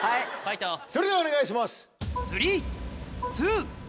それではお願いします。